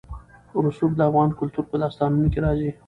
رسوب د افغان کلتور په داستانونو کې راځي.